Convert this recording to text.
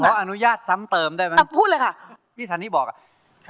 ขออนุญาตซ้ำเติมได้ไหมอ่ะพูดเลยค่ะพี่ธันทร์นี่บอกอ่ะ